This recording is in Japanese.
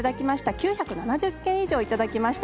９７０件以上いただきました。